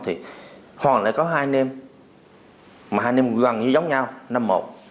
thì hòn lại có hai anh em mà hai anh em gần như giống nhau năm một